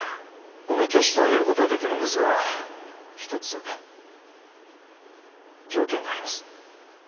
もみ消してあげる事はできるんですが一つ条件があります。